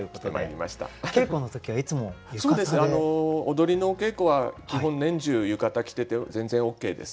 踊りのお稽古は基本年中浴衣着てて全然ＯＫです。